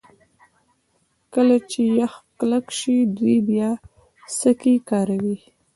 کله چې یخ کلک شي دوی بیا سکي کاروي